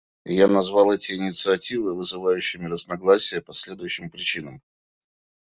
Я назвал эти инициативы «вызывающими разногласия» по следующим причинам.